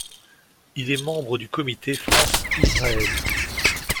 Il est membre du comité France-Israël.